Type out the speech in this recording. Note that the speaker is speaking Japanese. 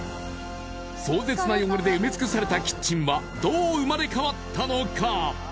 壮絶な汚れで埋め尽くされたキッチンはどう生まれ変わったのか？